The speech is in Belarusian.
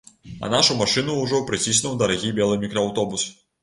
А нашу машыну ўжо прыціснуў дарагі белы мікрааўтобус.